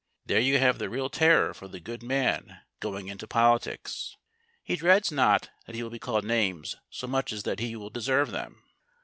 There you have the real terror for the good man going into politics. He dreads not that he will be called names so much as that he will deserve them.